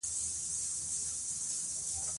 ماشومان د طبیعت له نندارې زده کړه کوي